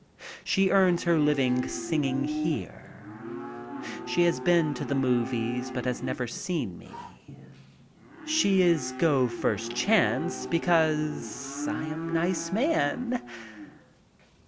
She earns her living singing here. She has been to the movies, but has never seen me. She "is go first chance because I am nice man."